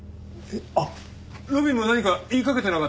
あっ路敏も何か言いかけてなかったか？